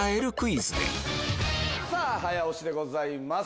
早押しでございます。